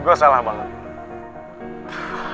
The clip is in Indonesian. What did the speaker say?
gue salah banget